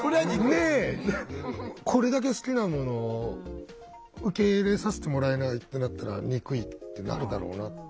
これだけ好きなものを受け入れさせてもらえないってなったら憎いってなるだろうなって。